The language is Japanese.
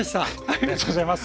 ありがとうございます。